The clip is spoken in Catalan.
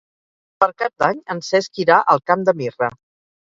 Per Cap d'Any en Cesc irà al Camp de Mirra.